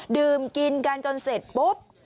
ดื่มกินกันจนเสร็จปุ๊บ